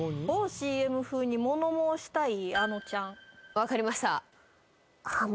分かりました。